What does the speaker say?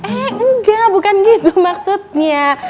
eh enggak bukan gitu maksudnya